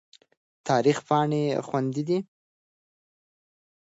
تاریخ پاڼې خوندي دي.